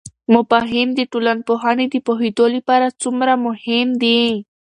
مفاهیم د ټولنپوهنې د پوهیدو لپاره څومره مهم دي؟